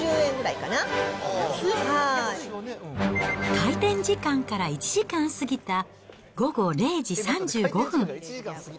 開店時間から１時間過ぎた午後０時３５分。